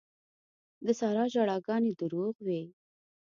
د سارا ژړاګانې دروغ وې.